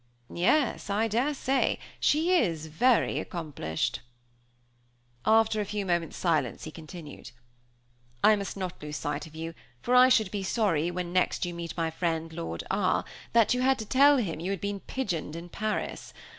"Yes, I daresay; she is very accomplished." After a few moments' silence he continued. "I must not lose sight of you, for I should be sorry, when next you meet my friend Lord R , that you had to tell him you had been pigeoned in Paris.